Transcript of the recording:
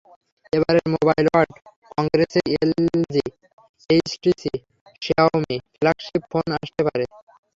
এবারের mobile world কংগ্রেসে LG, HTC, Xiaomi flagship phone আনতে পারে।